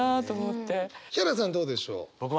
ヒャダさんどうでしょう？